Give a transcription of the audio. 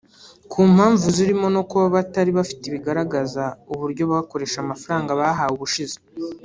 ku mpamvu zirimo no kuba batari bafite ibigaragaza uburyo bakoresheje amafaranga bahawe ubushize